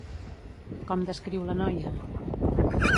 Com descriu la noia?